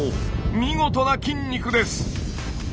見事な筋肉です！